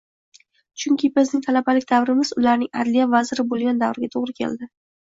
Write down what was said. Chunki bizning talabalik davrimiz ularning Adliya vaziri bo'lgan davriga to'g'ri keldi.